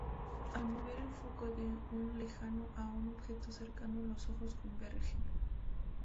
Al mover el foco de un lejano a un objeto cercano, los ojos convergen.